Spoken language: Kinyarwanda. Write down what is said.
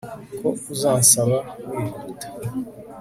ko uzansaba wihuta